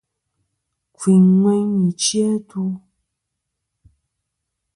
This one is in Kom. Kfɨyn ŋweyn nɨ̀ ɨchɨ-atu.